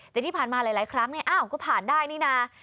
แต่ที่ผ่านมาหลายครั้งก็ผ่านได้นี่นา